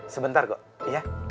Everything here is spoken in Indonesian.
sebentar kok iya